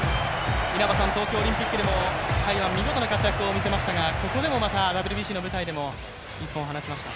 東京オリンピックでも甲斐は見事な活躍を見せましたがここでもまたＷＢＣの舞台でも一本放ちました。